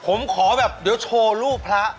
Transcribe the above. ผมขอแบบเดี๋ยวโชว์รูปพระ